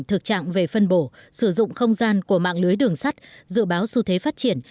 thực trạng về phân bổ sử dụng không gian của mạng lưới đường sắt dự báo xu thế phát triển